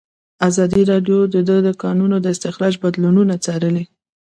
ازادي راډیو د د کانونو استخراج بدلونونه څارلي.